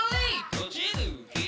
閉じる左！